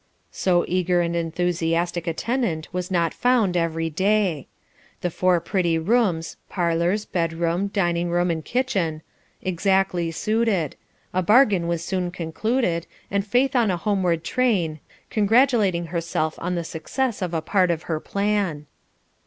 So eager and enthusiastic a tenant was not found every day. The four pretty rooms parlours, bedroom, dining room, and kitchen exactly suited; a bargain was soon concluded, and Faith on a homeward train, congratulating herself on the success of a part of her plan.